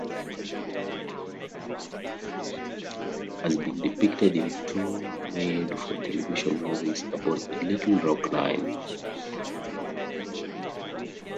Brown-Trickey has been depicted in two made-for-television movies about the Little Rock Nine.